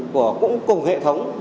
của cũng cùng hệ thống